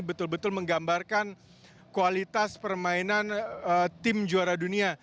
betul betul menggambarkan kualitas permainan tim juara dunia